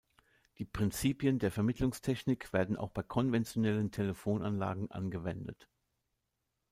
Die Prinzipien der Vermittlungstechnik werden auch bei konventionellen Telefonanlagen angewendet.